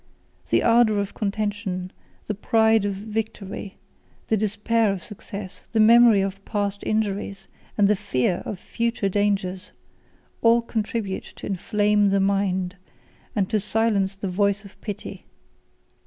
The ardor of contention, the pride of victory, the despair of success, the memory of past injuries, and the fear of future dangers, all contribute to inflame the mind, and to silence the voice of pity.